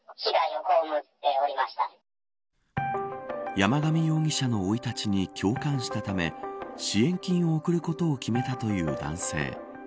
山上容疑者の生い立ちに共感したため支援金を送ることを決めたという男性。